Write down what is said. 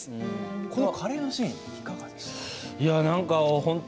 このカレーのシーンいかがでしたか？